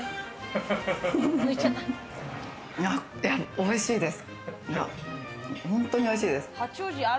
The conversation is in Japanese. おいしいです。